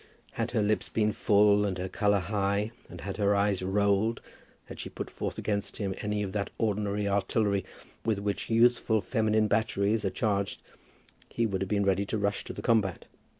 Had her lips been full, and her colour high, and had her eyes rolled, had she put forth against him any of that ordinary artillery with which youthful feminine batteries are charged, he would have been ready to rush to the combat.